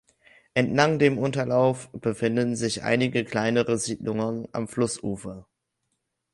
Entlang dem Unterlauf befinden sich einige kleinere Siedlungen am Flussufer.